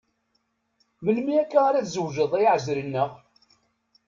Melmi akka ara tzewǧeḍ ay aɛezri-nneɣ?